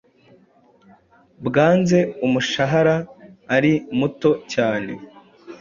bwanze umushahara ari muto cyane,